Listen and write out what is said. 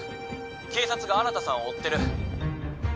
警察が新さんを追ってる。